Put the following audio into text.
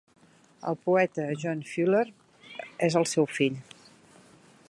El poeta John Fuller és el seu fill.